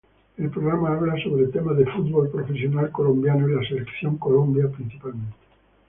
El programa habla sobre temas del fútbol profesional colombiano y la Selección Colombia, principalmente.